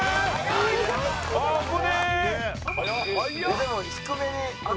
でも低めに。